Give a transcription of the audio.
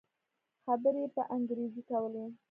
خبرې يې په انګريزي کولې.